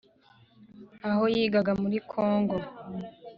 aho yigaga muri congo